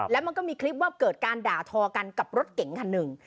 แล้วมันก็มีคลิปว่าเกิดการด่าทอกันกับรถเก๋งคันหนึ่ง